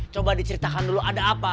coba diceritakan dulu ada apa